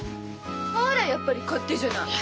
ほらやっぱり勝手じゃない。